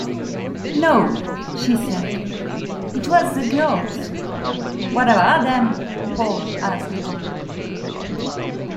“No,” she said, “it was the girls.” “What about ’em?” Paul asked.